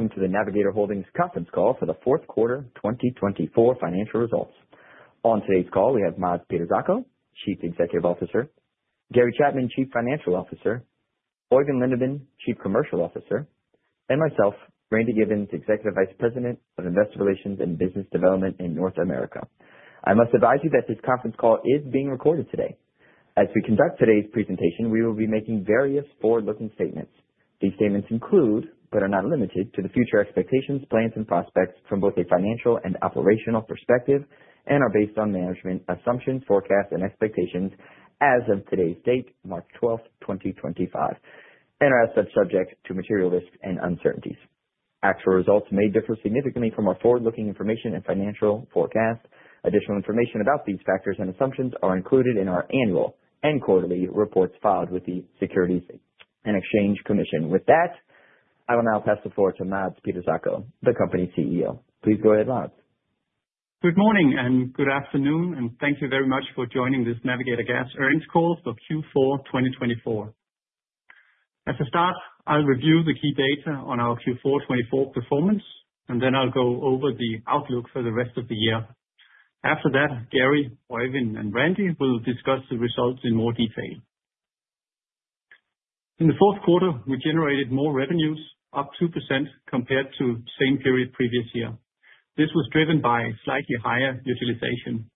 Welcome to the Navigator Holdings conference call for the fourth quarter 2024 financial results. On today's call, we have Mads Peter Zacho, Chief Executive Officer; Gary Chapman, Chief Financial Officer; Oeyvind Lindeman, Chief Commercial Officer; and myself, Randy Giveans, Executive Vice President of Investor Relations and Business Development in North America. I must advise you that this conference call is being recorded today. As we conduct today's presentation, we will be making various forward-looking statements. These statements include, but are not limited to, the future expectations, plans, and prospects from both a financial and operational perspective, and are based on management assumptions, forecasts, and expectations as of today's date, March 12th, 2025, and are as such subject to material risks and uncertainties. Actual results may differ significantly from our forward-looking information and financial forecasts. Additional information about these factors and assumptions are included in our annual and quarterly reports filed with the Securities and Exchange Commission. With that, I will now pass the floor to Mads Peter Zacho, the Company CEO. Please go ahead, Mads. Good morning and good afternoon, and thank you very much for joining this Navigator Gas earnings call for Q4 2024. As a start, I'll review the key data on our Q4 2024 performance, and then I'll go over the outlook for the rest of the year. After that, Gary, Oeyvind, and Randy will discuss the results in more detail. In the fourth quarter, we generated more revenues, up 2% compared to the same period previous year. This was driven by slightly higher utilization.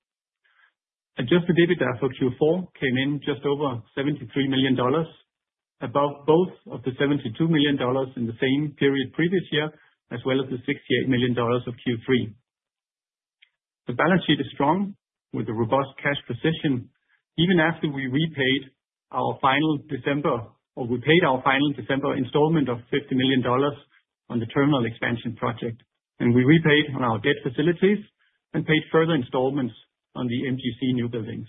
Adjusted EBITDA for Q4 came in just over $73 million, above both of the $72 million in the same period previous year, as well as the $68 million of Q3. The balance sheet is strong, with a robust cash position, even after we repaid our final December, or we paid our final December installment of $50 million on the terminal expansion project. We repaid on our debt facilities and paid further installments on the MGC new buildings.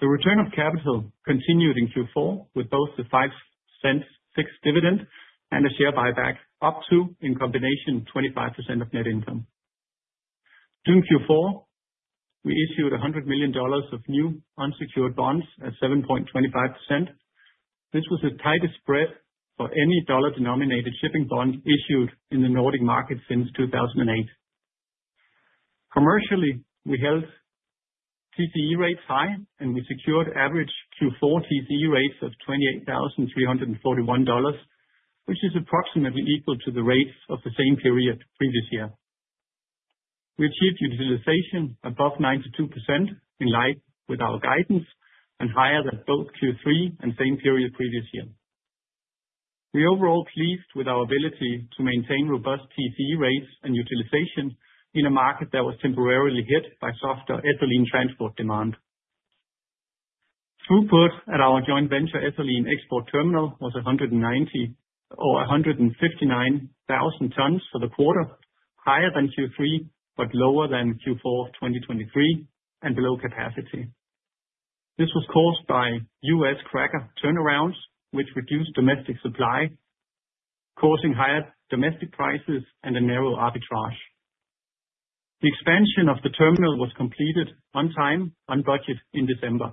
The return of capital continued in Q4, with both the 5 cents fixed dividend and a share buyback up to, in combination, 25% of net income. During Q4, we issued $100 million of new unsecured bonds at 7.25%. This was the tightest spread for any dollar-denominated shipping bond issued in the Nordic market since 2008. Commercially, we held TCE rates high, and we secured average Q4 TCE rates of $28,341, which is approximately equal to the rates of the same period previous year. We achieved utilization above 92% in line with our guidance and higher than both Q3 and same period previous year. We are overall pleased with our ability to maintain robust TCE rates and utilization in a market that was temporarily hit by softer ethylene transport demand. Throughput at our joint venture ethylene export terminal was 190 or 159,000 tons for the quarter, higher than Q3, but lower than Q4 2023 and below capacity. This was caused by U.S. cracker turnarounds, which reduced domestic supply, causing higher domestic prices and a narrow arbitrage. The expansion of the terminal was completed on time, on budget, in December.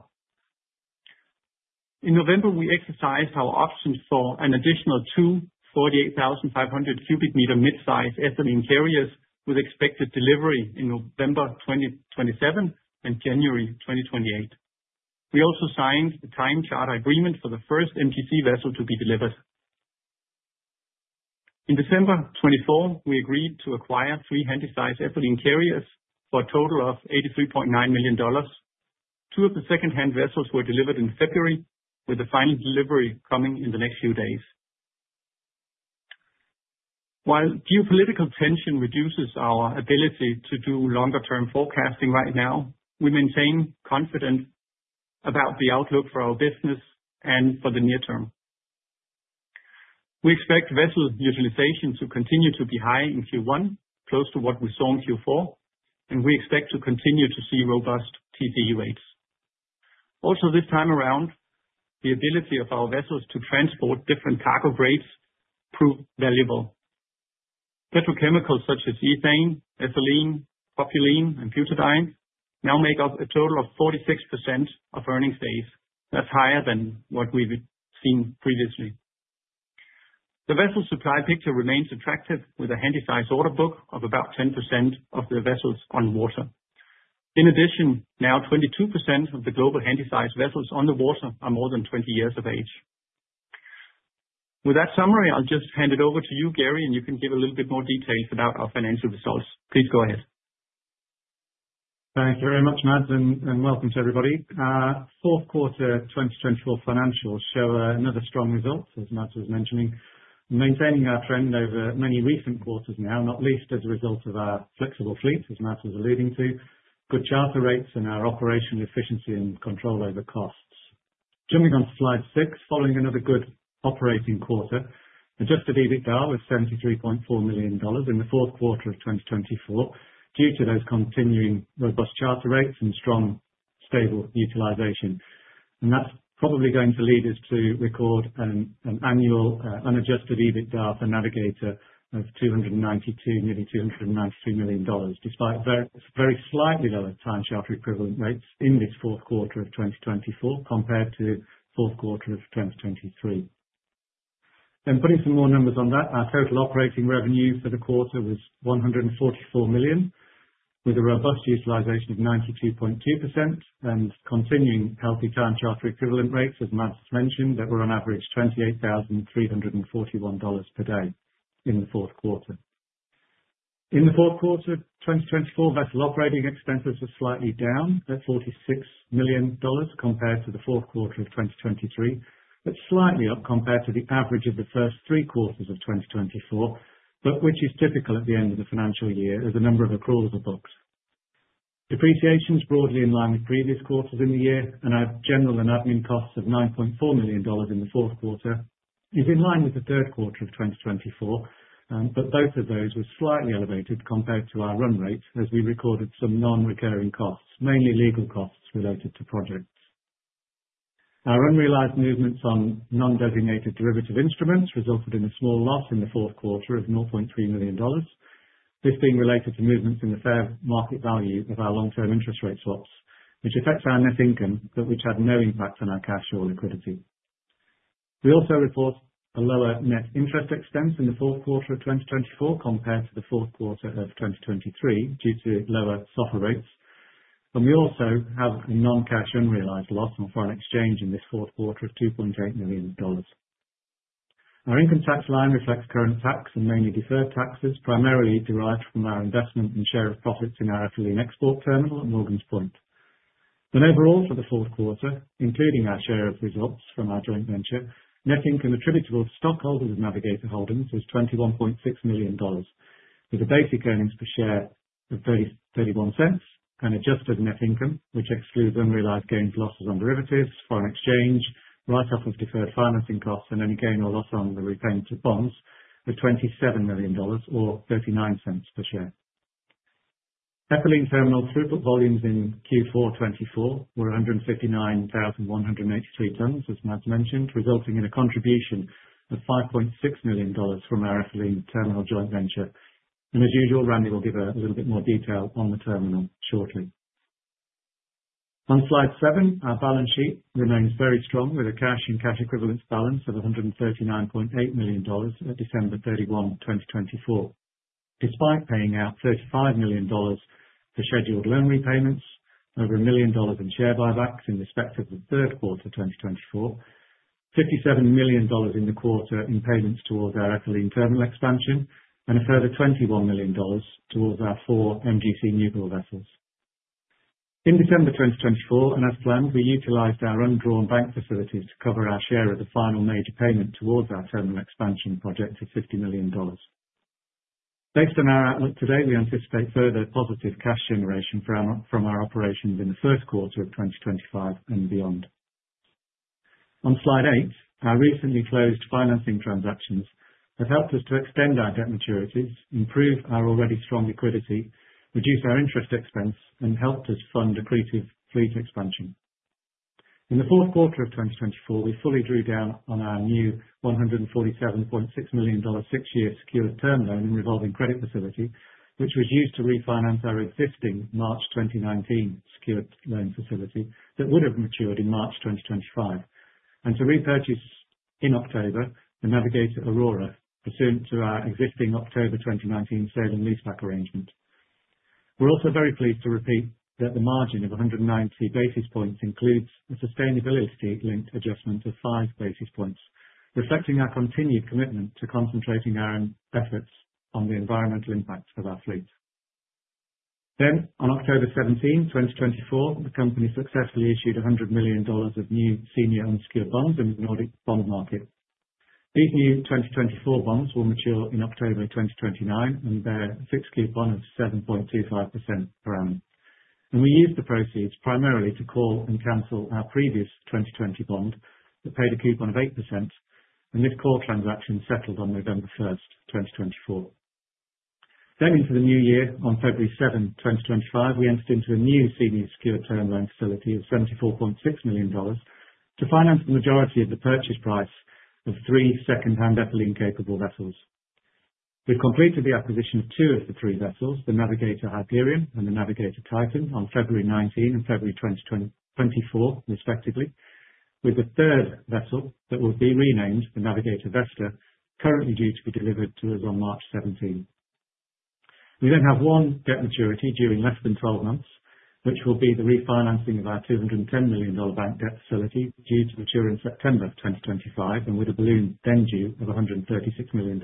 In November, we exercised our options for an additional two 48,500 cubic meter mid-size ethylene carriers, with expected delivery in November 2027 and January 2028. We also signed a time charter agreement for the first MGC vessel to be delivered. In December 2024, we agreed to acquire three handysize ethylene carriers for a total of $83.9 million. Two of the second-hand vessels were delivered in February, with the final delivery coming in the next few days. While geopolitical tension reduces our ability to do longer-term forecasting right now, we maintain confidence about the outlook for our business and for the near term. We expect vessel utilization to continue to be high in Q1, close to what we saw in Q4, and we expect to continue to see robust TCE rates. Also, this time around, the ability of our vessels to transport different cargo grades proved valuable. Petrochemicals such as ethane, ethylene, propylene, and butadiene now make up a total of 46% of earnings days. That's higher than what we've seen previously. The vessel supply picture remains attractive, with a Handysize order book of about 10% of the vessels on water. In addition, now 22% of the global Handysize vessels on the water are more than 20 years of age. With that summary, I'll just hand it over to you, Gary, and you can give a little bit more details about our financial results. Please go ahead. Thank you very much, Mads, and welcome to everybody. Fourth quarter 2024 financials show another strong result, as Mads was mentioning, maintaining our trend over many recent quarters now, not least as a result of our flexible fleet, as Mads was alluding to, good charter rates, and our operational efficiency and control over costs. Jumping on to slide six, following another good operating quarter, adjusted EBITDA was $73.4 million in the fourth quarter of 2024, due to those continuing robust charter rates and strong, stable utilization. That is probably going to lead us to record an annual Adjusted EBITDA for Navigator of $292 million, nearly $293 million, despite very slightly lower time charter equivalent rates in this fourth quarter of 2024 compared to the fourth quarter of 2023. Putting some more numbers on that, our total operating revenue for the quarter was $144 million, with a robust utilization of 92.2% and continuing healthy time charter equivalent rates, as Mads mentioned, that were on average $28,341 per day in the fourth quarter. In the fourth quarter of 2024, vessel operating expenses were slightly down at $46 million compared to the fourth quarter of 2023, but slightly up compared to the average of the first three quarters of 2024, which is typical at the end of the financial year as a number of accruals are on the books. Depreciation is broadly in line with previous quarters in the year, and our general and admin costs of $9.4 million in the fourth quarter is in line with the third quarter of 2024, but both of those were slightly elevated compared to our run rate as we recorded some non-recurring costs, mainly legal costs related to projects. Our unrealized movements on non-designated derivative instruments resulted in a small loss in the fourth quarter of $0.3 million, this being related to movements in the fair market value of our long-term interest rate swaps, which affects our net income, but which had no impact on our cash or liquidity. We also report a lower net interest expense in the fourth quarter of 2024 compared to the fourth quarter of 2023 due to lower softer rates, and we also have a non-cash unrealized loss on foreign exchange in this fourth quarter of $2.8 million. Our income tax line reflects current tax and mainly deferred taxes, primarily derived from our investment and share of profits in our ethylene export terminal at Morgan's Point. Overall, for the fourth quarter, including our share of results from our joint venture, net income attributable to stockholders of Navigator Holdings was $21.6 million, with a basic earnings per share of $0.31 and adjusted net income, which excludes unrealized gains, losses, and derivatives, foreign exchange, write-up of deferred financing costs, and any gain or loss on the repayment of bonds, was $27 million or $0.39 per share. Ethylene terminal throughput volumes in Q4 2024 were 159,183 tons, as Mads mentioned, resulting in a contribution of $5.6 million from our ethylene terminal joint venture. Randy will give a little bit more detail on the terminal shortly. On slide seven, our balance sheet remains very strong, with a cash and cash equivalence balance of $139.8 million at December 31, 2024, despite paying out $35 million for scheduled loan repayments, over $1 million in share buybacks in respect of the third quarter 2024, $57 million in the quarter in payments towards our ethylene terminal expansion, and a further $21 million towards our four MGC newbuild vessels. In December 2024, and as planned, we utilized our undrawn bank facilities to cover our share of the final major payment towards our terminal expansion project of $50 million. Based on our outlook today, we anticipate further positive cash generation from our operations in the first quarter of 2025 and beyond. On slide eight, our recently closed financing transactions have helped us to extend our debt maturities, improve our already strong liquidity, reduce our interest expense, and helped us fund accretive fleet expansion. In the fourth quarter of 2024, we fully drew down on our new $147.6 million six-year secured term loan and revolving credit facility, which was used to refinance our existing March 2019 secured loan facility that would have matured in March 2025, and to repurchase in October the Navigator Aurora pursuant to our existing October 2019 sale and leaseback arrangement. We are also very pleased to repeat that the margin of 190 basis points includes a sustainability-linked adjustment of five basis points, reflecting our continued commitment to concentrating our efforts on the environmental impact of our fleet. On October 17, 2024, the company successfully issued $100 million of new senior unsecured bonds in the Nordic bond market. These new 2024 bonds will mature in October 2029 and bear a fixed coupon of 7.25% per annum. We used the proceeds primarily to call and cancel our previous 2020 bond that paid a coupon of 8%, and this call transaction settled on November 1st, 2024. Into the new year, on February 7th, 2025, we entered into a new senior secured term loan facility of $74.6 million to finance the majority of the purchase price of three second-hand ethylene-capable vessels. We have completed the acquisition of two of the three vessels, the Navigator Hyperion and the Navigator Titan, on February 19 and February 2024, respectively, with the third vessel that will be renamed, the Navigator Vesta, currently due to be delivered to us on March 17. We then have one debt maturity due in less than 12 months, which will be the refinancing of our $210 million bank debt facility due to mature in September 2025, and with a balloon then due of $136 million.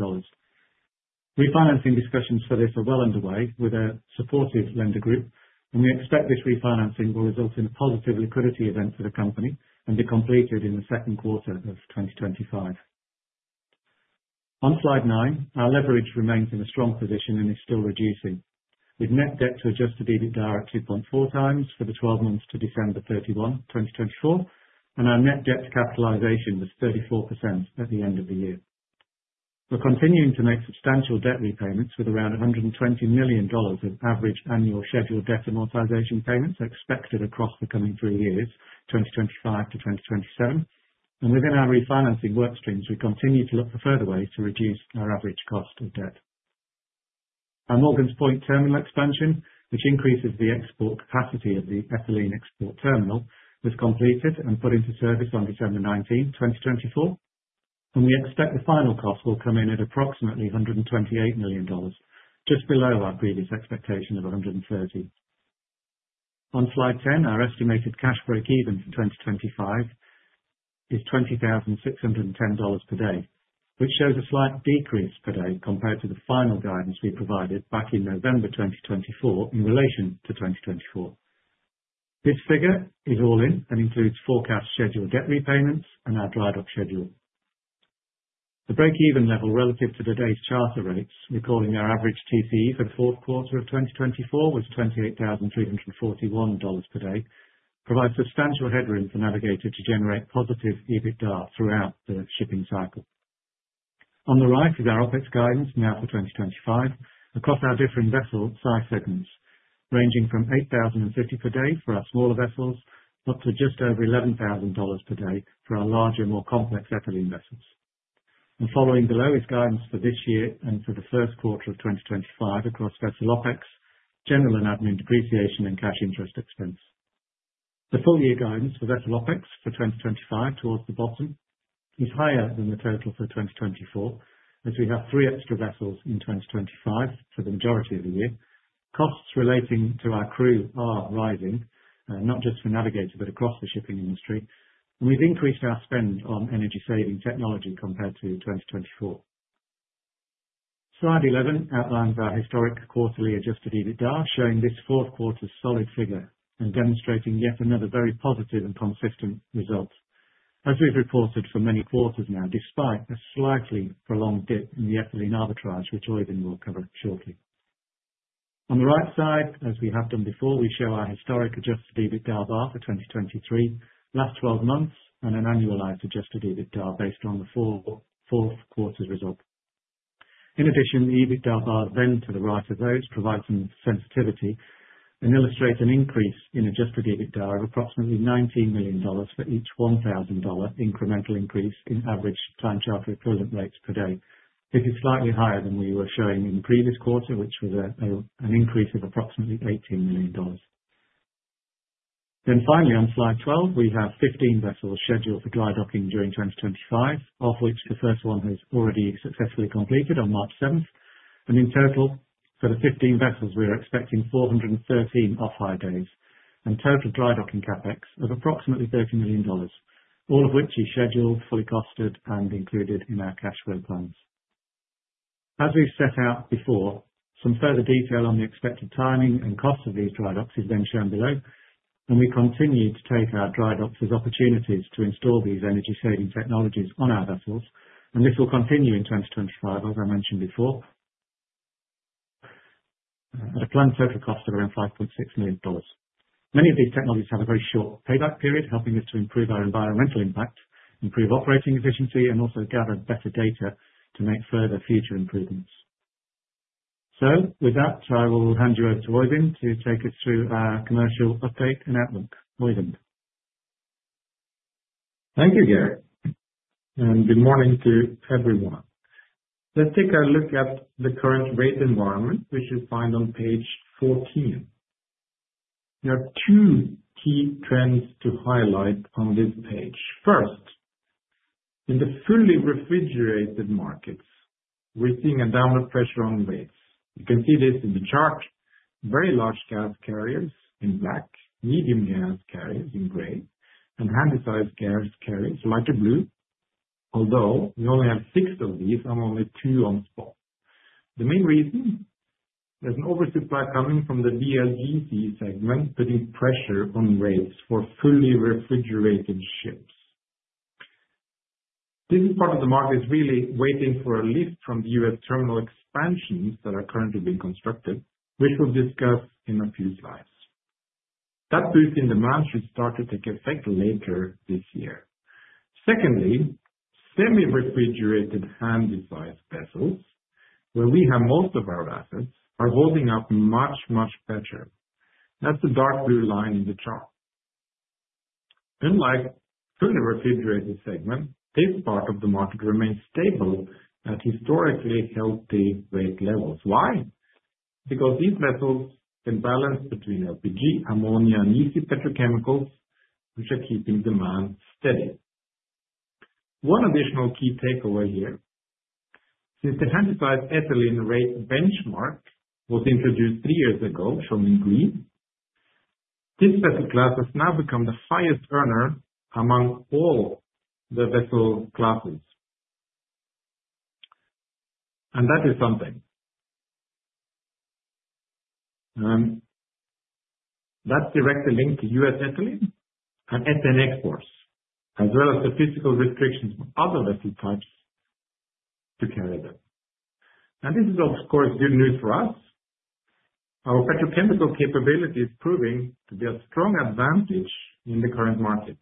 Refinancing discussions for this are well underway with a supportive lender group, and we expect this refinancing will result in a positive liquidity event for the company and be completed in the second quarter of 2025. On slide nine, our leverage remains in a strong position and is still reducing, with net debt to adjusted EBITDA at 2.4x for the 12 months to December 31, 2024, and our net debt capitalization was 34% at the end of the year. We're continuing to make substantial debt repayments with around $120 million of average annual scheduled debt amortization payments expected across the coming three years, 2025 to 2027, and within our refinancing workstreams, we continue to look for further ways to reduce our average cost of debt. Our Morgan's Point terminal expansion, which increases the export capacity of the ethylene export terminal, was completed and put into service on December 19, 2024, and we expect the final cost will come in at approximately $128 million, just below our previous expectation of $130 million. On slide ten, our estimated cash break-even for 2025 is $20,610 per day, which shows a slight decrease per day compared to the final guidance we provided back in November 2024 in relation to 2024. This figure is all in and includes forecast scheduled debt repayments and our dry dock schedule. The break-even level relative to today's charter rates, recording our average TCE for the fourth quarter of 2024, was $28,341 per day, provides substantial headroom for Navigator to generate positive EBITDA throughout the shipping cycle. On the right is our OpEx guidance now for 2025 across our different vessel size segments, ranging from $8,050 per day for our smaller vessels up to just over $11,000 per day for our larger, more complex ethylene vessels. Following below is guidance for this year and for the first quarter of 2025 across vessel OpEx, general and admin depreciation, and cash interest expense. The full-year guidance for vessel OpEx for 2025 towards the bottom is higher than the total for 2024, as we have three extra vessels in 2025 for the majority of the year. Costs relating to our crew are rising, not just for Navigator, but across the shipping industry, and we've increased our spend on energy-saving technology compared to 2024. Slide 11 outlines our historic quarterly adjusted EBITDA, showing this fourth quarter's solid figure and demonstrating yet another very positive and consistent result, as we've reported for many quarters now, despite a slightly prolonged dip in the ethylene arbitrage, which Oeyvind will cover shortly. On the right side, as we have done before, we show our historic adjusted EBITDA bar for 2023, last 12 months, and an annualized adjusted EBITDA based on the fourth quarter's result. In addition, the EBITDA bar then to the right of those provides some sensitivity and illustrates an increase in adjusted EBITDA of approximately $19 million for each $1,000 incremental increase in average time charter equivalent rates per day, which is slightly higher than we were showing in the previous quarter, which was an increase of approximately $18 million. Finally, on slide 12, we have 15 vessels scheduled for dry docking during 2025, of which the first one has already successfully completed on March 7, and in total, for the 15 vessels, we are expecting 413 off-hire days and total dry docking capex of approximately $30 million, all of which is scheduled, fully costed, and included in our cash flow plans. As we've set out before, some further detail on the expected timing and cost of these dry docks is then shown below, and we continue to take our dry docks as opportunities to install these energy-saving technologies on our vessels, and this will continue in 2025, as I mentioned before, at a planned total cost of around $5.6 million. Many of these technologies have a very short payback period, helping us to improve our environmental impact, improve operating efficiency, and also gather better data to make further future improvements. With that, I will hand you over to Oeyvind to take us through our commercial update and outlook. Oeyvind. Thank you, Gary, and good morning to everyone. Let's take a look at the current rate environment, which you'll find on page 14. There are two key trends to highlight on this page. First, in the fully refrigerated markets, we're seeing a downward pressure on rates. You can see this in the chart: very large gas carriers in black, medium gas carriers in gray, and handysize gas carriers lighter blue, although we only have six of these and only two on stock. The main reason? There's an oversupply coming from the VLGC segment, putting pressure on rates for fully refrigerated ships. This part of the market is really waiting for a lift from the U.S. terminal expansions that are currently being constructed, which we'll discuss in a few slides. That boost in demand should start to take effect later this year. Secondly, semi-refrigerated handysize vessels, where we have most of our assets, are holding up much, much better. That's the dark blue line in the chart. Unlike the fully refrigerated segment, this part of the market remains stable at historically healthy rate levels. Why? Because these vessels can balance between LPG, ammonia, and petrochemicals, which are keeping demand steady. One additional key takeaway here: since the handysize ethylene rate benchmark was introduced three years ago, shown in green, this vessel class has now become the highest earner among all the vessel classes. That is something. That is directly linked to U.S. ethylene and ethane exports, as well as the physical restrictions for other vessel types to carry them. This is, of course, good news for us. Our petrochemical capability is proving to be a strong advantage in the current market.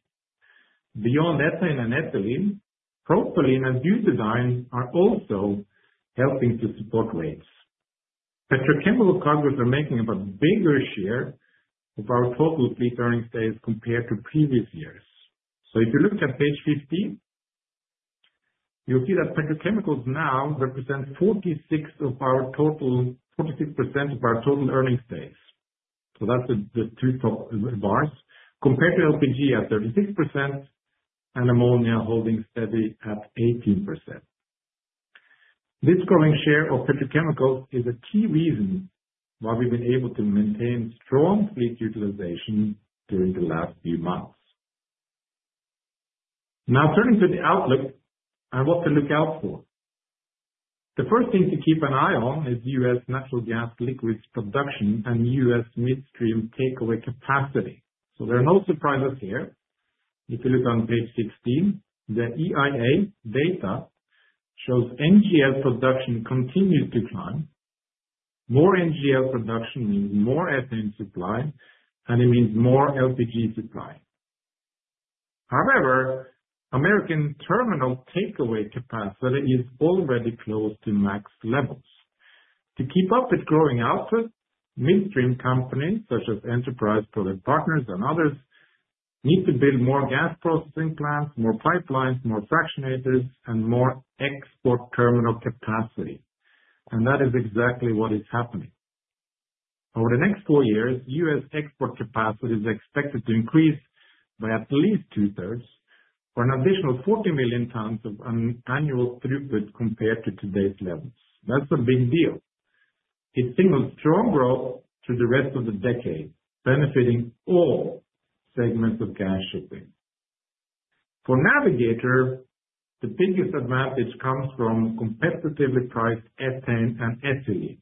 Beyond ethane and ethylene, propylene and butadiene are also helping to support rates. Petrochemical cargoes are making a bigger share of our total fleet earnings days compared to previous years. If you look at page 15, you will see that petrochemicals now represent 46% of our total earnings days. That's the two top bars, compared to LPG at 36% and ammonia holding steady at 18%. This growing share of petrochemicals is a key reason why we've been able to maintain strong fleet utilization during the last few months. Now, turning to the outlook, and what to look out for. The first thing to keep an eye on is U.S. natural gas liquids production and U.S. midstream takeaway capacity. There are no surprises here. If you look on page 16, the EIA data shows NGL production continues to climb. More NGL production means more ethane supply, and it means more LPG supply. However, American terminal takeaway capacity is already close to max levels. To keep up with growing output, midstream companies such as Enterprise Products Partners and others need to build more gas processing plants, more pipelines, more fractionators, and more export terminal capacity. That is exactly what is happening. Over the next four years, U.S. export capacity is expected to increase by at least two-thirds for an additional 40 million tons of annual throughput compared to today's levels. That's a big deal. It signals strong growth through the rest of the decade, benefiting all segments of gas shipping. For Navigator, the biggest advantage comes from competitively priced ethane and ethylene.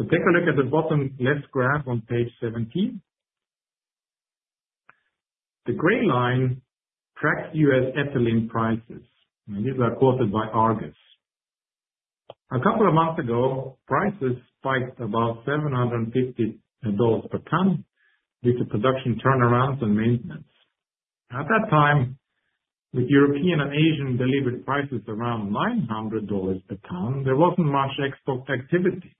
Take a look at the bottom-left graph on page 17. The gray line tracks U.S. ethylene prices, and these are quoted by Argus. A couple of months ago, prices spiked above $750 per ton, due to production turnarounds and maintenance. At that time, with European and Asian delivered prices around $900 per ton, there was not much export activity.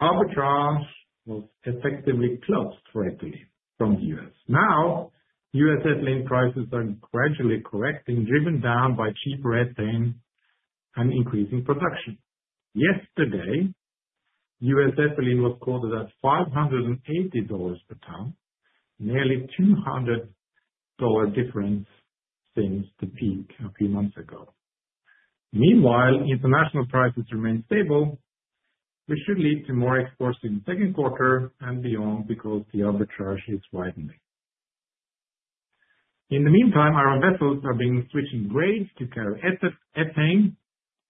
Arbitrage was effectively closed for ethylene from the U.S. Now, U.S. ethylene prices are gradually correcting, driven down by cheaper ethane and increasing production. Yesterday, U.S. ethylene was quoted at $580 per ton, nearly a $200 difference since the peak a few months ago. Meanwhile, international prices remain stable, which should lead to more exports in the second quarter and beyond because the arbitrage is widening. In the meantime, our vessels are being switched grades to carry ethane,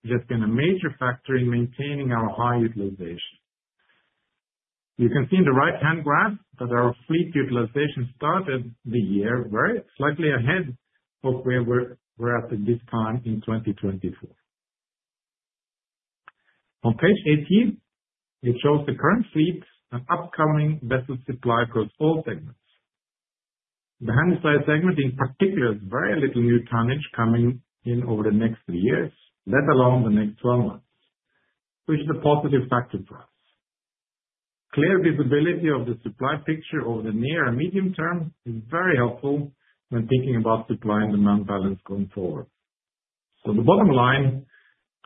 which has been a major factor in maintaining our high utilization. You can see in the right-hand graph that our fleet utilization started the year very slightly ahead of where we're at at this time in 2024. On page 18, it shows the current fleet and upcoming vessel supply across all segments. The handysize segment, in particular, has very little new tonnage coming in over the next three years, let alone the next 12 months, which is a positive factor for us. Clear visibility of the supply picture over the near and medium term is very helpful when thinking about supply and demand balance going forward. The bottom line,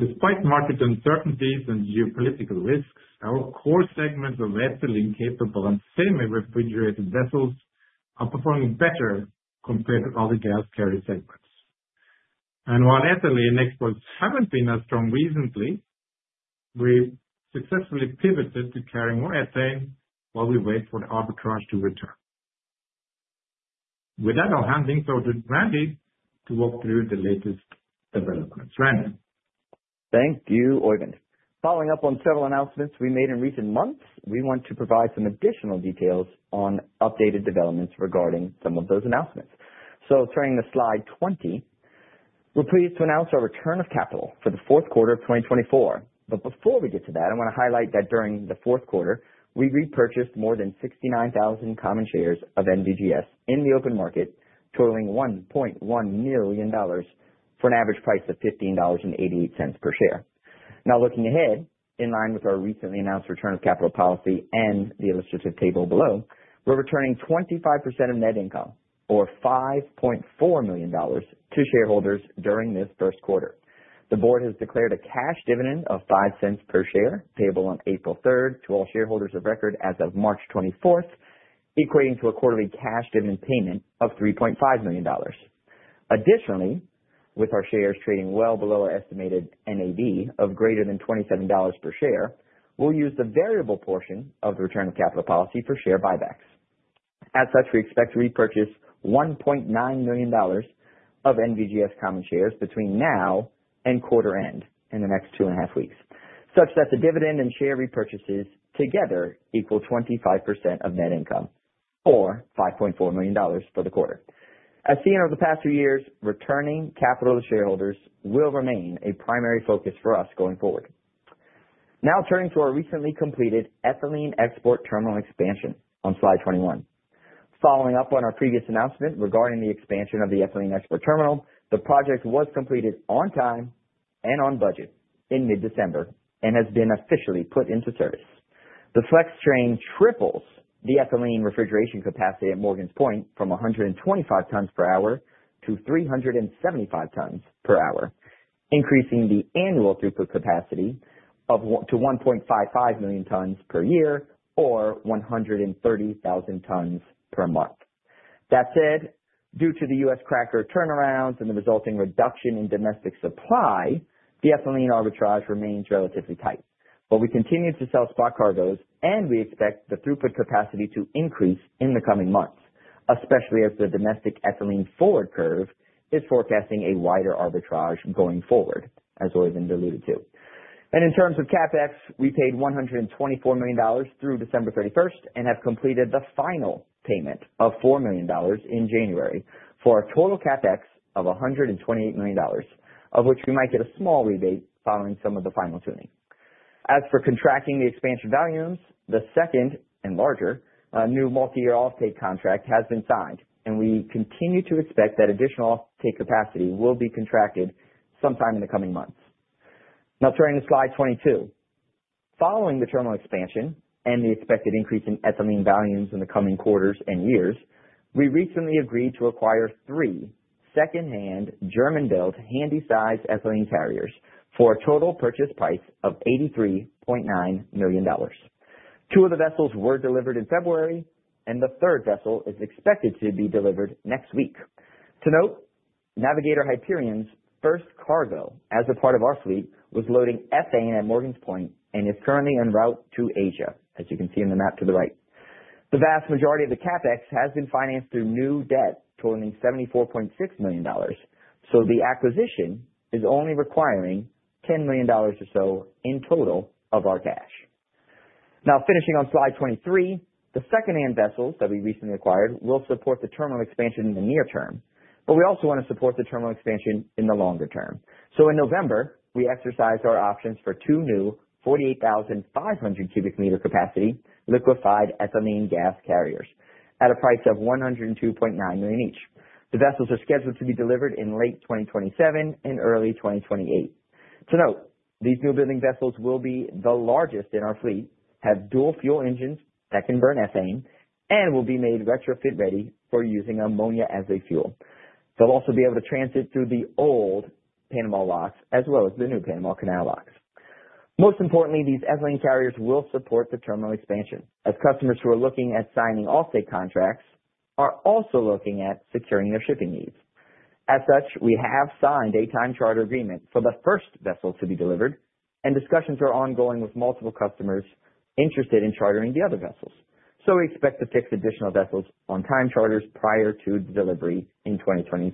despite market uncertainties and geopolitical risks, our core segments of ethylene-capable and semi-refrigerated vessels are performing better compared to other gas carrier segments. While ethylene exports have not been as strong recently, we have successfully pivoted to carrying more ethane while we wait for the arbitrage to return. With that, I will hand things over to Randy to walk through the latest developments. Randy. Thank you, Oeyvind. Following up on several announcements we made in recent months, we want to provide some additional details on updated developments regarding some of those announcements. Turning to slide 20, we're pleased to announce our return of capital for the fourth quarter of 2024. Before we get to that, I want to highlight that during the fourth quarter, we repurchased more than 69,000 common shares of NVGS in the open market, totaling $1.1 million for an average price of $15.88 per share. Now, looking ahead, in line with our recently announced return of capital policy and the illustrative table below, we're returning 25% of net income, or $5.4 million, to shareholders during this first quarter. The board has declared a cash dividend of $0.05 per share, payable on April 3 to all shareholders of record as of March 24th, equating to a quarterly cash dividend payment of $3.5 million. Additionally, with our shares trading well below our estimated NAV of greater than $27 per share, we'll use the variable portion of the return of capital policy for share buybacks. As such, we expect to repurchase $1.9 million of NVGS common shares between now and quarter end in the next two and a half weeks, such that the dividend and share repurchases together equal 25% of net income, or $5.4 million for the quarter. As seen over the past two years, returning capital to shareholders will remain a primary focus for us going forward. Now, turning to our recently completed ethylene export terminal expansion on slide 21. Following up on our previous announcement regarding the expansion of the ethylene export terminal, the project was completed on time and on budget in mid-December and has been officially put into service. The flex train triples the ethylene refrigeration capacity at Morgan's Point from 125 tons per hour to 375 tons per hour, increasing the annual throughput capacity to 1.55 million tons per year, or 130,000 tons per month. That said, due to the U.S. cracker turnarounds and the resulting reduction in domestic supply, the ethylene arbitrage remains relatively tight. We continue to sell spot cargoes, and we expect the throughput capacity to increase in the coming months, especially as the domestic ethylene forward curve is forecasting a wider arbitrage going forward, as Oeyvind alluded to. In terms of CapEx, we paid $124 million through December 31st and have completed the final payment of $4 million in January for a total CapEx of $128 million, of which we might get a small rebate following some of the final tuning. As for contracting the expansion volumes, the second and larger new multi-year offtake contract has been signed, and we continue to expect that additional offtake capacity will be contracted sometime in the coming months. Now, turning to slide 22. Following the terminal expansion and the expected increase in ethylene volumes in the coming quarters and years, we recently agreed to acquire three second-hand German-built handysize ethylene carriers for a total purchase price of $83.9 million. Two of the vessels were delivered in February, and the third vessel is expected to be delivered next week. To note, Navigator Hyperion's first cargo as a part of our fleet was loading ethane at Morgan's Point and is currently en route to Asia, as you can see in the map to the right. The vast majority of the CapEx has been financed through new debt totaling $74.6 million, so the acquisition is only requiring $10 million or so in total of our cash. Now, finishing on slide 23, the second-hand vessels that we recently acquired will support the terminal expansion in the near term, but we also want to support the terminal expansion in the longer term. In November, we exercised our options for two new 48,500 cubic meter capacity liquefied ethylene gas carriers at a price of $102.9 million each. The vessels are scheduled to be delivered in late 2027 and early 2028. To note, these new building vessels will be the largest in our fleet, have dual fuel engines that can burn ethane, and will be made retrofit ready for using ammonia as a fuel. They'll also be able to transit through the old Panama locks as well as the new Panama Canal locks. Most importantly, these ethylene carriers will support the terminal expansion, as customers who are looking at signing offtake contracts are also looking at securing their shipping needs. As such, we have signed a time charter agreement for the first vessel to be delivered, and discussions are ongoing with multiple customers interested in chartering the other vessels. We expect to fix additional vessels on time charters prior to delivery in 2027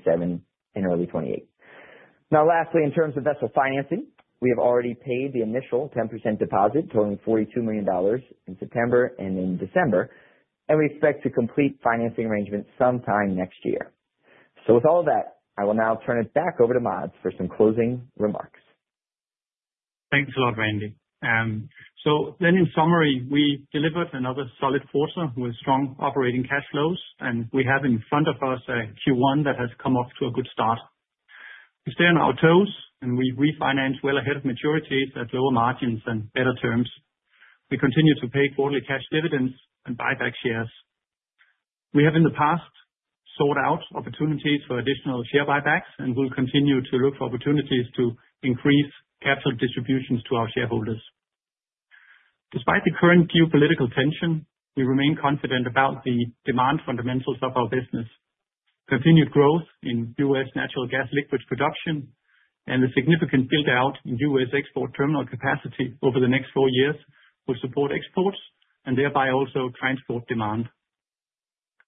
and early 2028. Lastly, in terms of vessel financing, we have already paid the initial 10% deposit totaling $42 million in September and in December, and we expect to complete financing arrangements sometime next year. With all of that, I will now turn it back over to Mads for some closing remarks. Thanks a lot, Randy. In summary, we delivered another solid quarter with strong operating cash flows, and we have in front of us a Q1 that has come off to a good start. We stay on our toes, and we refinance well ahead of maturities at lower margins and better terms. We continue to pay quarterly cash dividends and buy back shares. We have, in the past, sought out opportunities for additional share buybacks and will continue to look for opportunities to increase capital distributions to our shareholders. Despite the current geopolitical tension, we remain confident about the demand fundamentals of our business. Continued growth in U.S. natural gas liquids production and the significant buildout in U.S. export terminal capacity over the next four years will support exports and thereby also transport demand.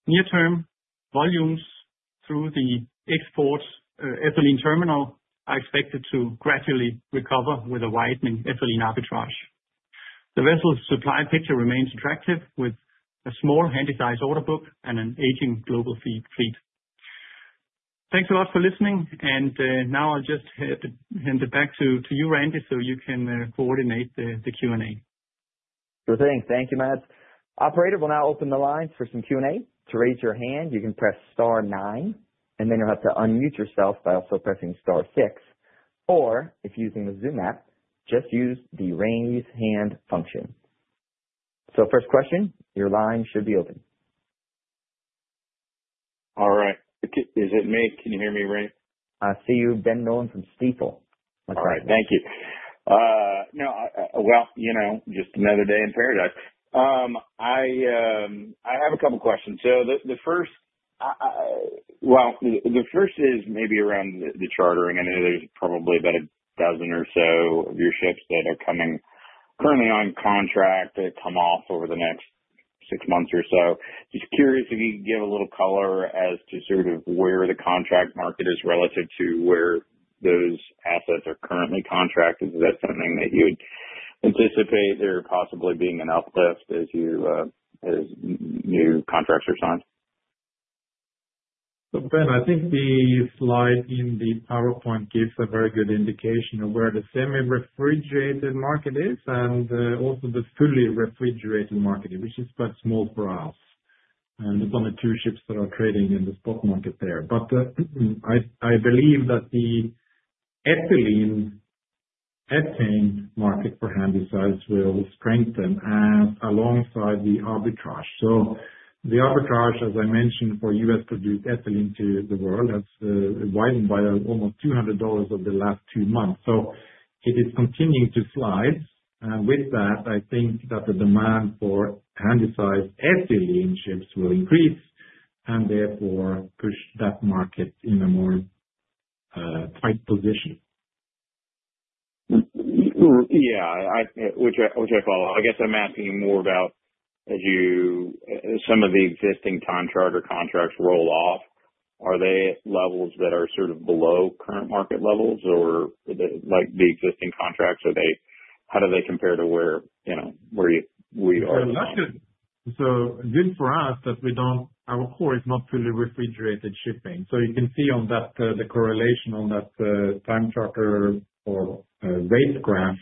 Near-term volumes through the export ethylene terminal are expected to gradually recover with a widening ethylene arbitrage. The vessel supply picture remains attractive with a small handysize order book and an aging global fleet. Thanks a lot for listening, and now I'll just hand it back to you, Randy, so you can coordinate the Q&A. Sure thing. Thank you, Mads. Operators will now open the lines for some Q&A. To raise your hand, you can press star nine, and then you'll have to unmute yourself by also pressing star six. If using the Zoom app, just use the raise hand function. First question, your line should be open. All right. Is it me? Can you hear me right? I see you, Ben Nolan from Stifel. That's right. All right. Thank you. No, you know, just another day in paradise. I have a couple of questions. The first is maybe around the chartering. I know there's probably about a dozen or so of your ships that are coming currently on contract that come off over the next six months or so. Just curious if you could give a little color as to sort of where the contract market is relative to where those assets are currently contracted. Is that something that you would anticipate there possibly being an uplift as new contracts are signed? Ben, I think the slide in the PowerPoint gives a very good indication of where the semi-refrigerated market is and also the fully refrigerated market, which is quite small for us. There's only two ships that are trading in the spot market there. I believe that the ethylene ethane market for handysize will strengthen alongside the arbitrage. The arbitrage, as I mentioned, for U.S.-produced ethylene to the world has widened by almost $200 over the last two months. It is continuing to slide. With that, I think that the demand for handysize ethylene ships will increase and therefore push that market in a more tight position. Yeah, which I follow. I guess I'm asking more about as you some of the existing time charter contracts roll off. Are they at levels that are sort of below current market levels, or like the existing contracts, are they how do they compare to where we are? Good for us that we don't our core is not fully refrigerated shipping. You can see on that the correlation on that time charter or rate graph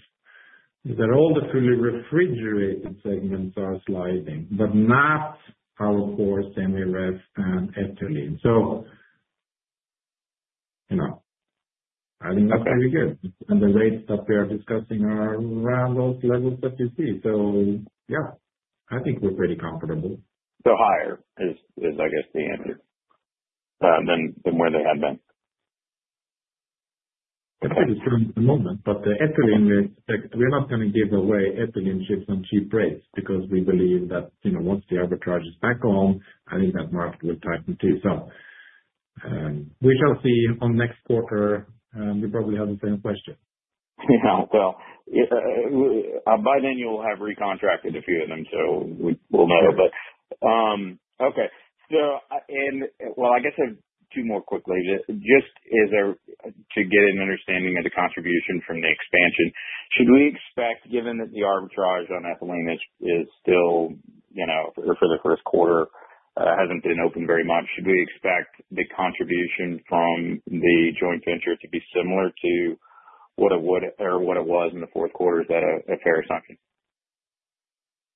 that all the fully refrigerated segments are sliding, but not our core semi-ref and ethylene. You know, I think that's pretty good. The rates that we are discussing are around those levels that you see. Yeah, I think we're pretty comfortable. Higher is, I guess, the answer than where they had been. It's pretty strong at the moment, but the ethylene, we're not going to give away ethylene ships on cheap rates because we believe that once the arbitrage is back on, I think that market will tighten too. We shall see on next quarter. We probably have the same question. By then, you'll have recontracted a few of them, so we'll know. Okay. I guess two more quickly. Just to get an understanding of the contribution from the expansion, should we expect, given that the arbitrage on ethylene is still, you know, for the first quarter, hasn't been opened very much, should we expect the contribution from the joint venture to be similar to what it was in the fourth quarter? Is that a fair assumption?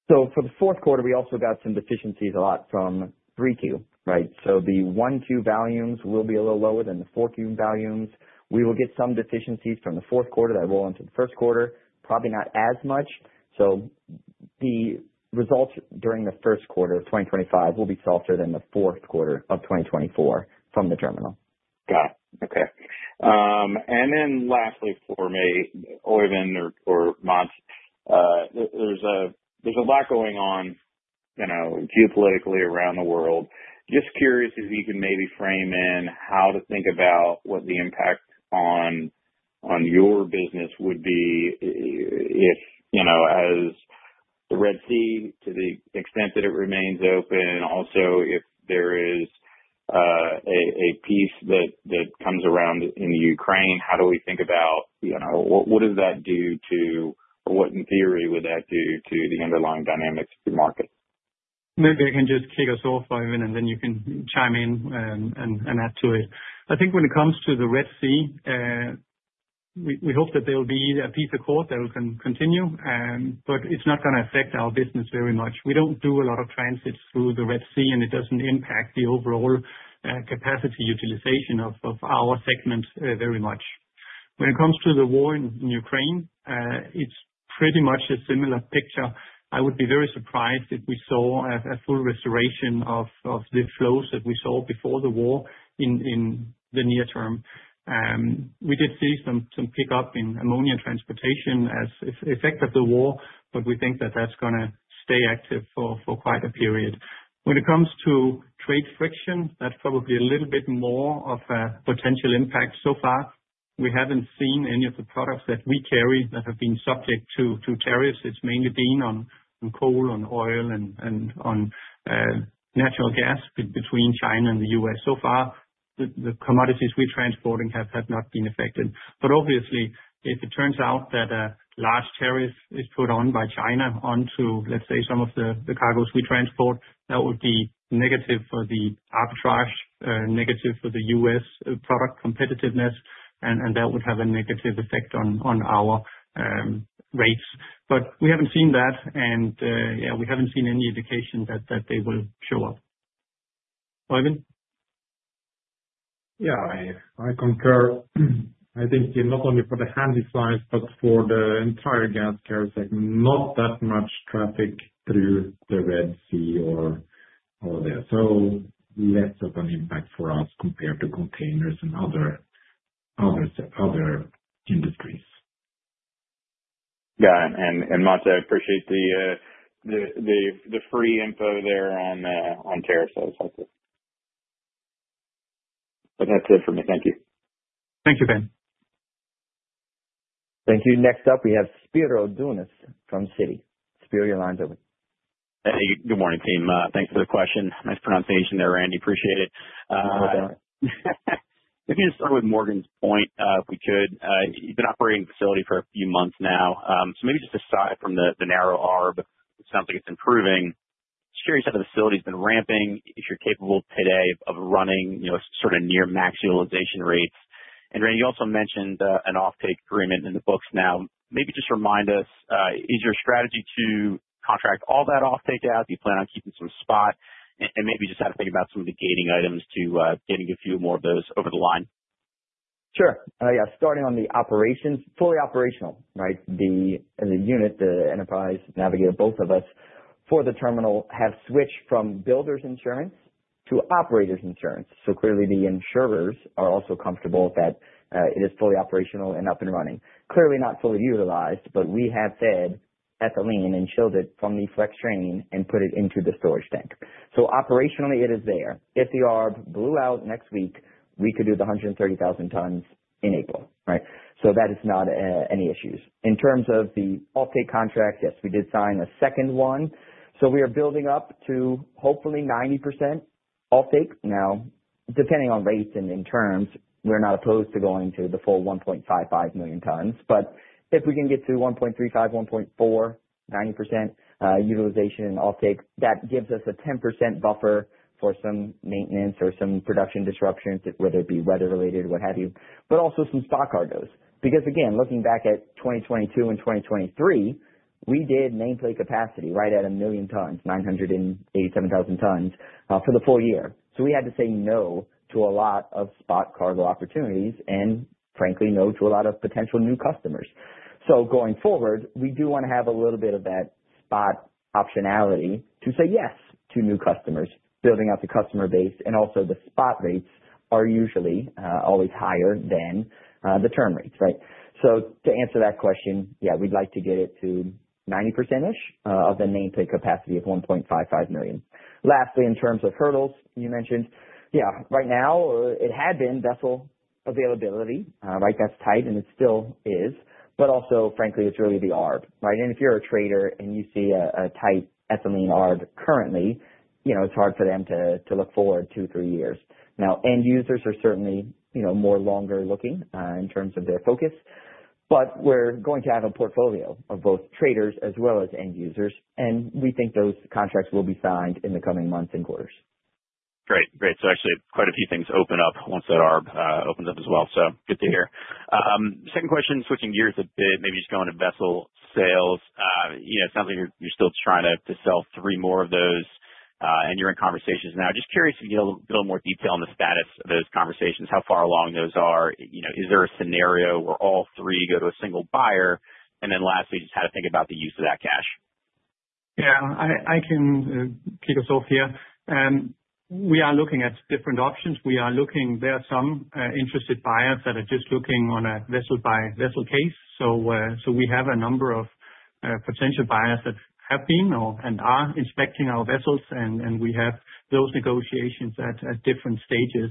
For the fourth quarter, we also got some deficiencies a lot from 3Q, right? The 1Q volumes will be a little lower than the 4Q volumes. We will get some deficiencies from the fourth quarter that roll into the first quarter, probably not as much. The results during the first quarter of 2025 will be softer than the fourth quarter of 2024 from the terminal. Got it. Okay. Lastly, for me, Oeyvind or Mads, there's a lot going on, you know, geopolitically around the world. Just curious if you can maybe frame in how to think about what the impact on your business would be if, you know, as the Red Sea, to the extent that it remains open, also if there is a piece that comes around in Ukraine, how do we think about, you know, what does that do to, or what in theory would that do to the underlying dynamics of the market? Maybe I can just kick us off, Oeyvind, and then you can chime in and add to it. I think when it comes to the Red Sea, we hope that there'll be a piece of course that will continue, but it's not going to affect our business very much. We don't do a lot of transit through the Red Sea, and it doesn't impact the overall capacity utilization of our segment very much. When it comes to the war in Ukraine, it's pretty much a similar picture. I would be very surprised if we saw a full restoration of the flows that we saw before the war in the near term. We did see some pickup in ammonia transportation as effect of the war, but we think that that's going to stay active for quite a period. When it comes to trade friction, that's probably a little bit more of a potential impact. So far, we haven't seen any of the products that we carry that have been subject to tariffs. It's mainly been on coal, on oil, and on natural gas between China and the U.S. So far, the commodities we're transporting have not been affected. Obviously, if it turns out that a large tariff is put on by China onto, let's say, some of the cargoes we transport, that would be negative for the arbitrage, negative for the U.S. product competitiveness, and that would have a negative effect on our rates. We haven't seen that, and yeah, we haven't seen any indication that they will show up. Oeyvind? Yeah, I concur. I think not only for the handysize, but for the entire gas carrier segment, not that much traffic through the Red Sea or there. Less of an impact for us compared to containers and other industries. Yeah. Mads, I appreciate the free info there on tariffs. That's it for me. Thank you. Thank you, Ben. Thank you. Next up, we have Spiro Dounis from Citi. Spiro, you're line is open. Hey, good morning, team. Thanks for the question. Nice pronunciation there, Randy. Appreciate it. If you can just start with Morgan's Point, if we could. You've been operating the facility for a few months now. Maybe just aside from the narrow arb, it sounds like it's improving. Just curious how the facility has been ramping, if you're capable today of running sort of near maximalization rates. Randy, you also mentioned an offtake agreement in the books now. Maybe just remind us, is your strategy to contract all that offtake out? Do you plan on keeping some spot and maybe just have to think about some of the gating items to getting a few more of those over the line? Sure. Yeah. Starting on the operations, fully operational, right? The unit, the Enterprise, Navigator, both of us for the terminal have switched from builders insurance to operators insurance. Clearly, the insurers are also comfortable that it is fully operational and up and running. Clearly not fully utilized, but we have fed ethylene and chilled it from the flex chain and put it into the storage tank. Operationally, it is there. If the arb blew out next week, we could do the 130,000 tons in April, right? That is not any issues. In terms of the offtake contract, yes, we did sign a second one. We are building up to hopefully 90% offtake. Now, depending on rates and in terms, we're not opposed to going to the full 1.55 million tons. If we can get to 1.35, 1.4, 90% utilization and offtake, that gives us a 10% buffer for some maintenance or some production disruptions, whether it be weather-related, what have you, but also some spot cargoes. Because, again, looking back at 2022 and 2023, we did nameplate capacity right at a million tons, 987,000 tons for the full year. We had to say no to a lot of spot cargo opportunities and, frankly, no to a lot of potential new customers. Going forward, we do want to have a little bit of that spot optionality to say yes to new customers, building out the customer base, and also the spot rates are usually always higher than the term rates, right? To answer that question, yeah, we'd like to get it to 90%-ish of the nameplate capacity of 1.55 million. Lastly, in terms of hurdles you mentioned, right now it had been vessel availability, right? That's tight, and it still is. Also, frankly, it's really the arb, right? If you're a trader and you see a tight ethylene arb currently, you know, it's hard for them to look forward two, three years. Now, end users are certainly more longer looking in terms of their focus, but we're going to have a portfolio of both traders as well as end users, and we think those contracts will be signed in the coming months and quarters. Great. Great. Actually, quite a few things open up once that arb opens up as well. Good to hear. Second question, switching gears a bit, maybe just going to vessel sales. You know, it sounds like you're still trying to sell three more of those, and you're in conversations now. Just curious if you can get a little more detail on the status of those conversations, how far along those are. You know, is there a scenario where all three go to a single buyer? And then lastly, just how to think about the use of that cash? Yeah, I can kick us off here. We are looking at different options. We are looking, there are some interested buyers that are just looking on a vessel-by-vessel case. So, we have a number of potential buyers that have been and are inspecting our vessels, and we have those negotiations at different stages.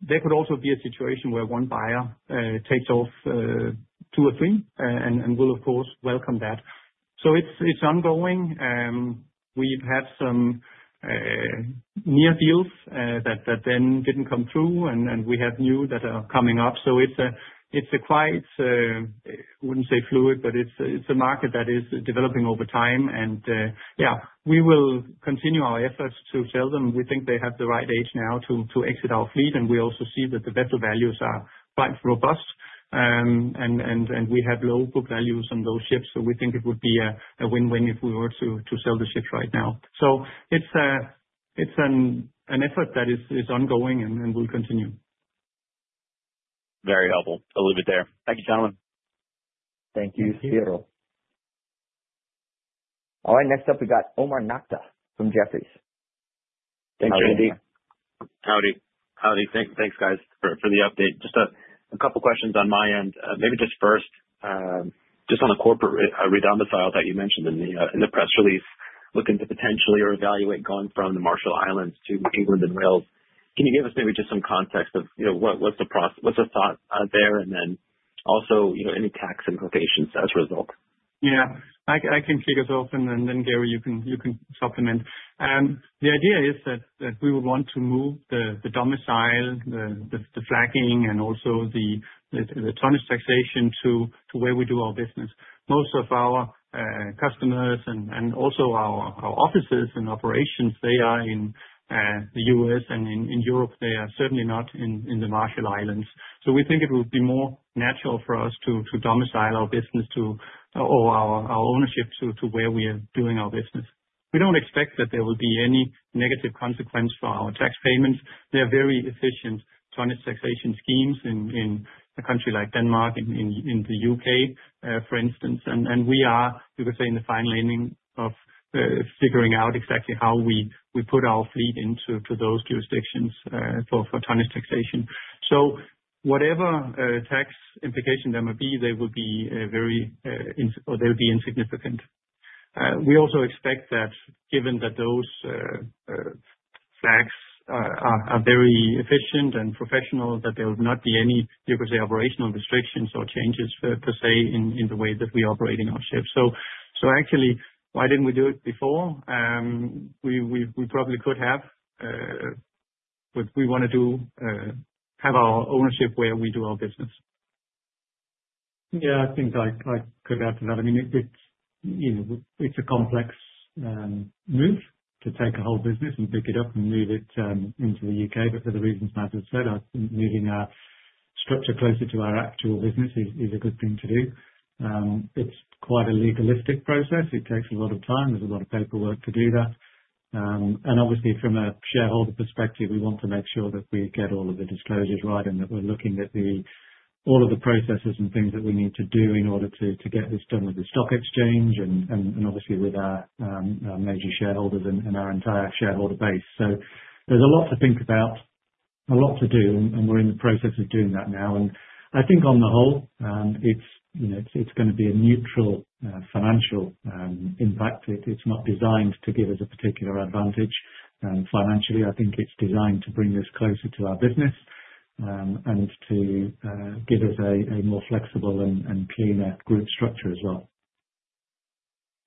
There could also be a situation where one buyer takes off two or three and will, of course, welcome that. It's ongoing. We've had some near deals that then didn't come through, and we have new that are coming up. It's a quite, I wouldn't say fluid, but it's a market that is developing over time. Yeah, we will continue our efforts to sell them. We think they have the right age now to exit our fleet, and we also see that the vessel values are quite robust, and we have low book values on those ships. We think it would be a win-win if we were to sell the ships right now. It is an effort that is ongoing and will continue. Very helpful. I'll leave it there. Thank you, gentlemen. Thank you, Spiro. All right. Next up, we got Omar Nokta from Jefferies. Thanks, Randy. Howdy. Howdy. Thanks, guys, for the update. Just a couple of questions on my end. Maybe just first, just on the corporate redomicile that you mentioned in the press release, looking to potentially or evaluate going from the Marshall Islands to New England and Wales. Can you give us maybe just some context of what's the thought there? You know, any tax implications as a result? Yeah. I can kick us off, and then Gary, you can supplement. The idea is that we would want to move the domicile, the flagging, and also the tonnage taxation to where we do our business. Most of our customers and also our offices and operations, they are in the U.S. and in Europe. They are certainly not in the Marshall Islands. We think it would be more natural for us to domicile our business or our ownership to where we are doing our business. We do not expect that there will be any negative consequence for our tax payments. There are very efficient tonnage taxation schemes in a country like Denmark, in the U.K., for instance. We are, you could say, in the final inning of figuring out exactly how we put our fleet into those jurisdictions for tonnage taxation. Whatever tax implication there may be, they will be very, or they'll be insignificant. We also expect that given that those flags are very efficient and professional, there would not be any, you could say, operational restrictions or changes per se in the way that we operate our ships. Actually, why didn't we do it before? We probably could have, but we want to have our ownership where we do our business. I think I could add to that. I mean, it's a complex move to take a whole business and pick it up and move it into the U.K. For the reasons Mads has said, I think moving our structure closer to our actual business is a good thing to do. It's quite a legalistic process. It takes a lot of time. There's a lot of paperwork to do that. Obviously, from a shareholder perspective, we want to make sure that we get all of the disclosures right and that we're looking at all of the processes and things that we need to do in order to get this done with the stock exchange and obviously with our major shareholders and our entire shareholder base. There's a lot to think about, a lot to do, and we're in the process of doing that now. I think on the whole, it's going to be a neutral financial impact. It's not designed to give us a particular advantage financially. I think it's designed to bring us closer to our business and to give us a more flexible and cleaner group structure as well.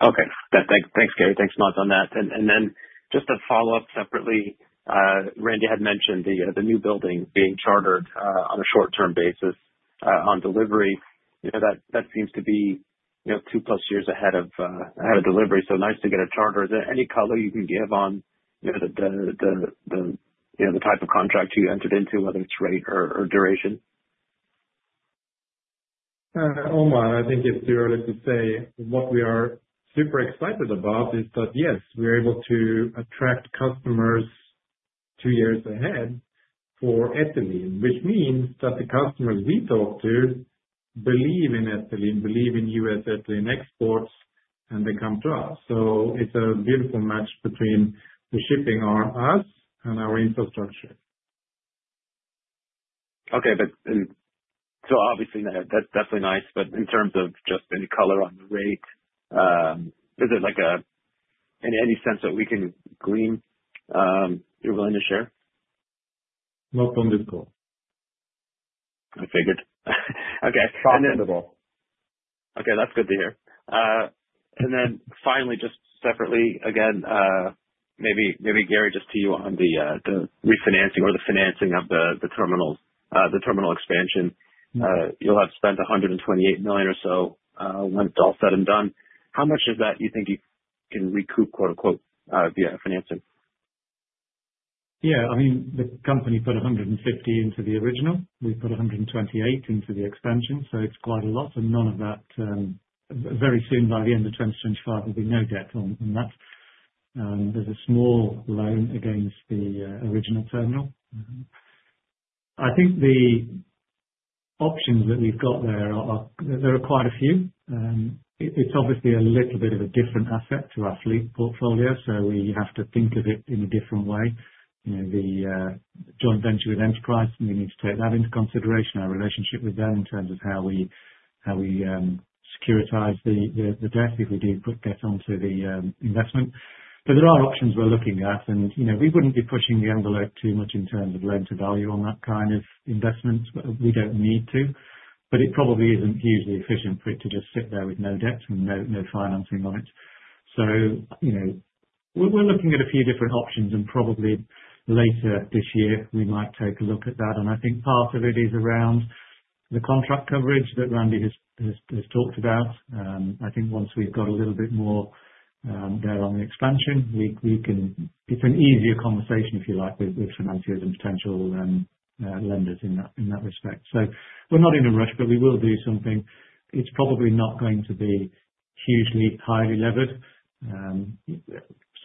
Okay. Thanks, Gary. Thanks, Mads, on that. Just to follow up separately, Randy had mentioned the new building being chartered on a short-term basis on delivery. That seems to be two plus years ahead of delivery. Nice to get a charter. Is there any color you can give on the type of contract you entered into, whether it's rate or duration? Omar, I think it's too early to say. What we are super excited about is that, yes, we're able to attract customers two years ahead for ethylene, which means that the customers we talk to believe in ethylene, believe in US ethylene exports, and they come to us. It's a beautiful match between the shipping arm us and our infrastructure. Okay. Obviously, that's definitely nice. In terms of just any color on the rate, is there any sense that we can gleam you're willing to share? Not public. I figured. Okay. Found fundable. Okay. That's good to hear. Finally, just separately, again, maybe Gary, just to you on the refinancing or the financing of the terminal expansion. You'll have spent $128 million or so when it's all said and done. How much of that do you think you can recoup, quote unquote, via financing? Yeah. I mean, the company put $150 million into the original. We put $128 million into the expansion. It's quite a lot. None of that, very soon by the end of 2025, will be no debt on that. There's a small loan against the original terminal. I think the options that we've got there, there are quite a few. It's obviously a little bit of a different asset to our fleet portfolio. We have to think of it in a different way. The joint venture with Enterprise, we need to take that into consideration, our relationship with them in terms of how we securitize the debt if we do get onto the investment. There are options we're looking at. We wouldn't be pushing the envelope too much in terms of loan-to-value on that kind of investments. We don't need to. It probably isn't hugely efficient for it to just sit there with no debt and no financing on it. We're looking at a few different options. Probably later this year, we might take a look at that. I think part of it is around the contract coverage that Randy has talked about. I think once we've got a little bit more there on the expansion, it's an easier conversation, if you like, with financiers and potential lenders in that respect. We're not in a rush, but we will do something. It's probably not going to be hugely highly levered,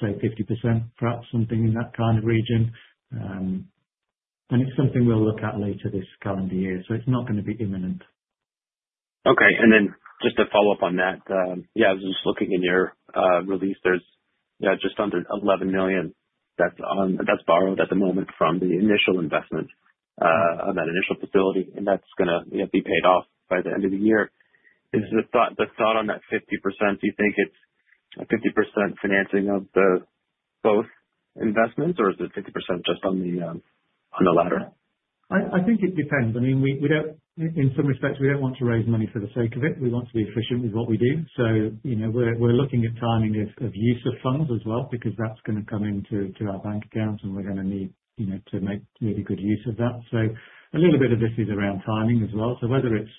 say 50%, perhaps something in that kind of region. It's something we'll look at later this calendar year. It's not going to be imminent. Okay. Just to follow up on that, yeah, I was just looking in your release, there's just under $11 million that's borrowed at the moment from the initial investment of that initial facility. That's going to be paid off by the end of the year. Is the thought on that 50%, do you think it's a 50% financing of both investments, or is it 50% just on the latter? I think it depends. I mean, in some respects, we don't want to raise money for the sake of it. We want to be efficient with what we do. We're looking at timing of use of funds as well because that's going to come into our bank accounts, and we're going to need to make really good use of that. A little bit of this is around timing as well. Whether it's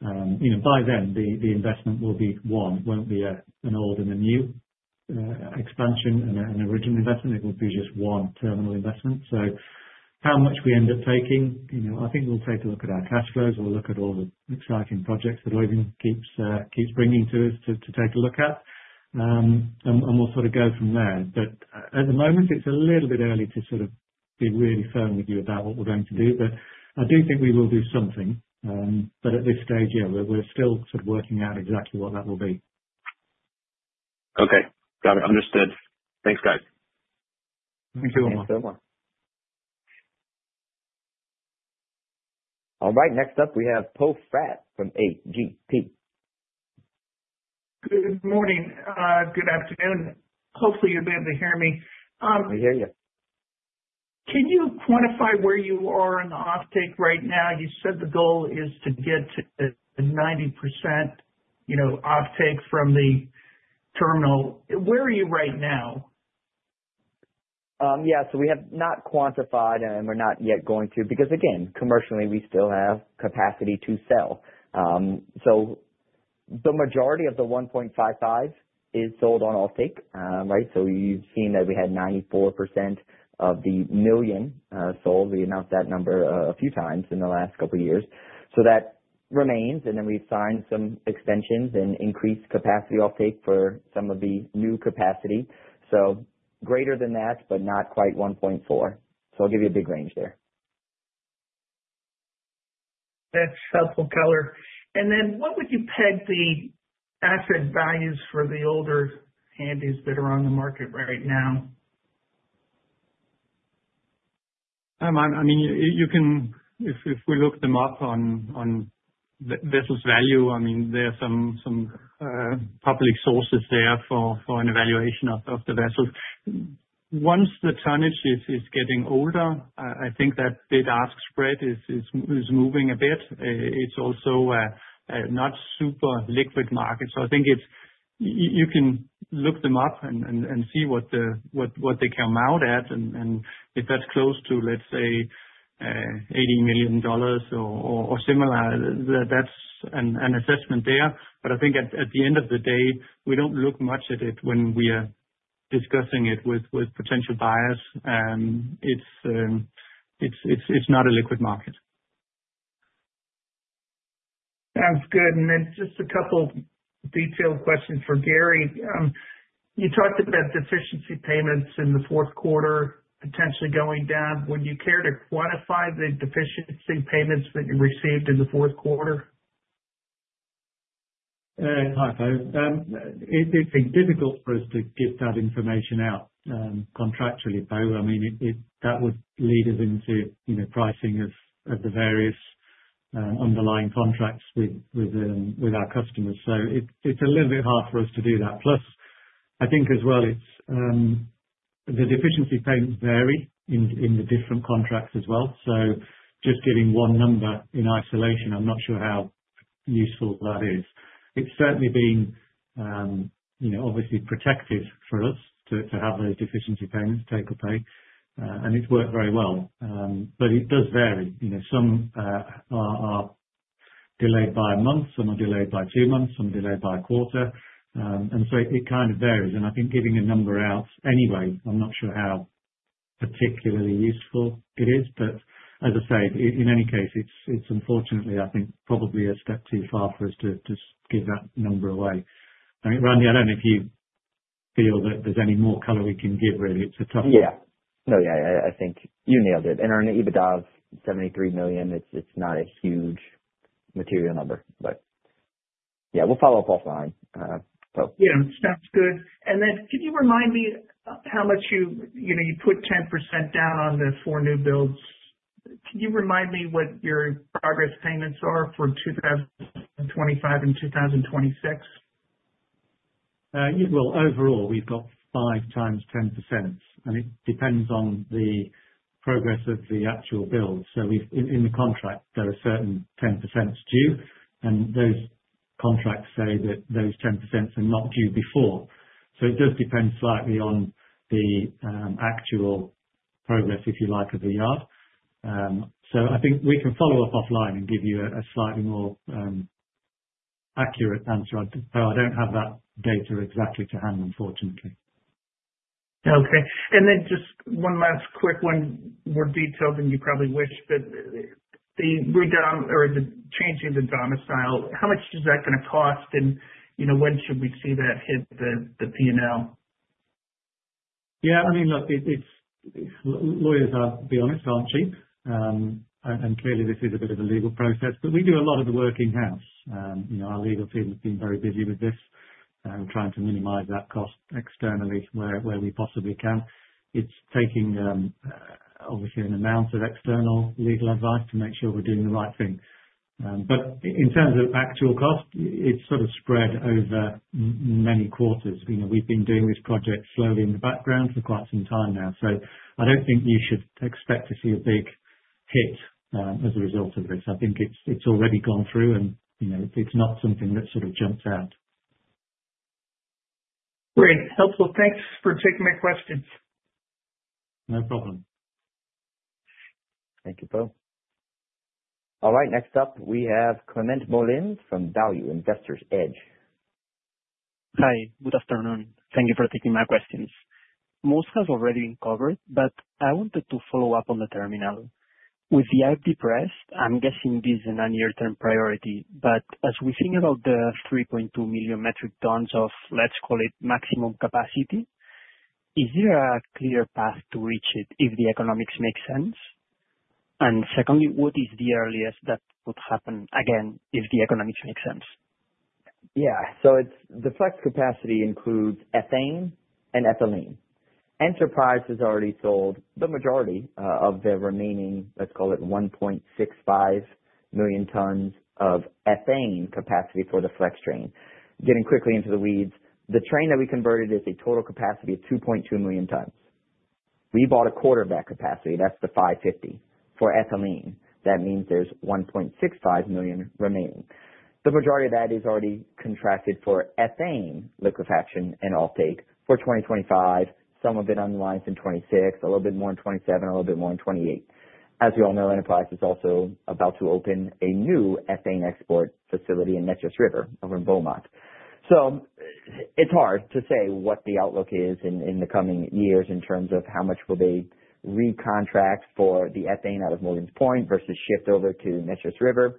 by then, the investment will be one. It won't be an old and a new expansion, an original investment. It will be just one terminal investment. How much we end up taking, I think we'll take a look at our cash flows. We'll look at all the exciting projects that Oeyvind keeps bringing to us to take a look at. We'll sort of go from there. At the moment, it's a little bit early to sort of be really firm with you about what we're going to do. I do think we will do something. At this stage, we're still sort of working out exactly what that will be. Okay. Got it. Understood. Thanks, guys. Thank you, Omar. Thanks, Omar. All right. Next up, we have Poe Fratt from A.G.P. Good morning. Good afternoon. Hopefully, you'll be able to hear me. We hear you. Can you quantify where you are on the offtake right now? You said the goal is to get to 90% offtake from the terminal. Where are you right now? Yeah. We have not quantified, and we're not yet going to because, again, commercially, we still have capacity to sell. The majority of the 1.55 is sold on offtake, right? You have seen that we had 94% of the million sold. We announced that number a few times in the last couple of years. That remains. We have signed some extensions and increased capacity offtake for some of the new capacity. Greater than that, but not quite 1.4. I will give you a big range there. That is helpful color. What would you peg the asset values for the older handies that are on the market right now? I mean, if we look them up on VesselsValue, there are some public sources there for an evaluation of the vessels. Once the tonnage is getting older, I think that bid-ask spread is moving a bit. It is also a not super liquid market. I think you can look them up and see what they come out at. If that's close to, let's say, $80 million or similar, that's an assessment there. I think at the end of the day, we don't look much at it when we are discussing it with potential buyers. It's not a liquid market. Sounds good. Just a couple of detailed questions for Gary. You talked about deficiency payments in the fourth quarter potentially going down. Would you care to quantify the deficiency payments that you received in the fourth quarter? Hi, Poe. It's been difficult for us to get that information out contractually, Poe. I mean, that would lead us into pricing of the various underlying contracts with our customers. It's a little bit hard for us to do that. I think as well, the deficiency payments vary in the different contracts as well. Just giving one number in isolation, I'm not sure how useful that is. It's certainly been obviously protective for us to have those deficiency payments take-or-pay. And it's worked very well. It does vary. Some are delayed by a month. Some are delayed by two months. Some are delayed by a quarter. It kind of varies. I think giving a number out anyway, I'm not sure how particularly useful it is. As I say, in any case, it's unfortunately, I think, probably a step too far for us to give that number away. I mean, Randy, I don't know if you feel that there's any more color we can give, really. It's a tough one. Yeah. No, yeah. I think you nailed it. And our EBITDA, $73 million, it's not a huge material number. Yeah, we'll follow up offline, Poe. Yeah. Sounds good. Can you remind me how much you put 10% down on the four newbuilds? Can you remind me what your progress payments are for 2025 and 2026? Overall, we've got five times 10%. It depends on the progress of the actual build. In the contract, there are certain 10% due. Those contracts say that those 10% are not due before. It does depend slightly on the actual progress, if you like, of the yard. I think we can follow up offline and give you a slightly more accurate answer. I don't have that data exactly to hand, unfortunately. Okay. Just one last quick one, more detailed than you probably wish, but the changing the domicile, how much is that going to cost? When should we see that hit the P&L? Yeah. I mean, look, lawyers, to be honest, aren't cheap. Clearly, this is a bit of a legal process. We do a lot of the work in-house. Our legal team has been very busy with this and trying to minimize that cost externally where we possibly can. It's taking, obviously, an amount of external legal advice to make sure we're doing the right thing. In terms of actual cost, it's sort of spread over many quarters. We've been doing this project slowly in the background for quite some time now. I don't think you should expect to see a big hit as a result of this. I think it's already gone through, and it's not something that sort of jumps out. Great. Helpful. Thanks for taking my questions. No problem. Thank you, Poe. All right. Next up, we have Climent Molins from Value Investor's Edge. Hi. Good afternoon. Thank you for taking my questions. Most has already been covered, but I wanted to follow up on the terminal. With the IP pressed, I'm guessing this is a non-near-term priority. As we think about the 3.2 million metric tons of, let's call it, maximum capacity, is there a clear path to reach it if the economics make sense? Secondly, what is the earliest that would happen again if the economics make sense? Yeah. The flex capacity includes ethane and ethylene. Enterprise has already sold the majority of the remaining, let's call it, 1.65 million tons of ethane capacity for the flex train. Getting quickly into the weeds, the train that we converted is a total capacity of 2.2 million tons. We bought a quarter of that capacity. That's the 550 for ethylene. That means there's 1.65 million remaining. The majority of that is already contracted for ethane liquefaction and offtake for 2025. Some of it unwinds in 2026, a little bit more in 2027, a little bit more in 2028. As you all know, Enterprise is also about to open a new ethane export facility in Beaumont. It is hard to say what the outlook is in the coming years in terms of how much will they recontract for the ethane out of Morgan's Point versus shift over to Beaumont.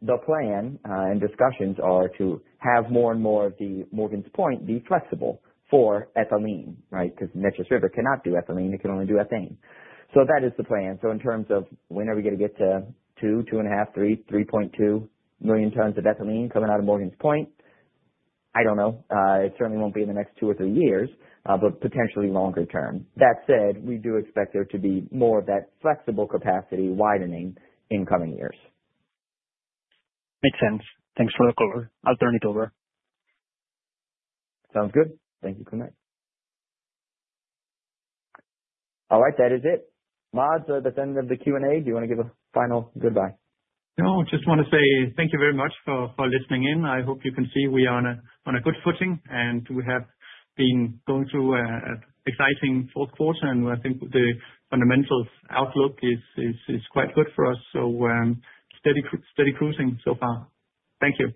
The plan and discussions are to have more and more of the Morgan's Point be flexible for ethylene, right? Because Beaumont cannot do ethylene. It can only do ethane. That is the plan. In terms of when are we going to get to 2 million, 2.5 million, 3 million, 3.2 million tons of ethylene coming out of Morgan's Point? I do not know. It certainly won't be in the next two or three years, but potentially longer term. That said, we do expect there to be more of that flexible capacity widening in coming years. Makes sense. Thanks for the call. I'll turn it over. Sounds good. Thank you, Climent. All right. That is it. Mads, that's the end of the Q&A. Do you want to give a final goodbye? No, just want to say thank you very much for listening in. I hope you can see we are on a good footing, and we have been going through an exciting fourth quarter. I think the fundamentals outlook is quite good for us. Steady cruising so far. Thank you.